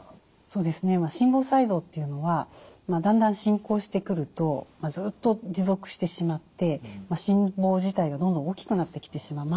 そうですね心房細動というのはだんだん進行してくるとずっと持続してしまって心房自体がどんどん大きくなってきてしまう。